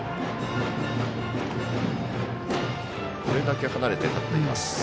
これだけ離れて立っています。